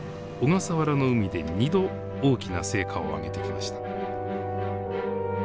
小笠原の海で２度大きな成果を上げてきました。